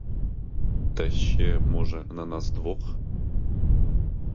Та ще, може, на нас двох?